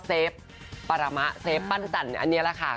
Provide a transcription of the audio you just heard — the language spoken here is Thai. เซฟปรรมะเซฟปั้นจันทร์อันนี้ล่ะค่ะ